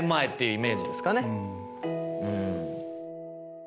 うん。